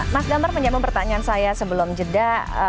mas damar menyambung pertanyaan saya sebelum jeda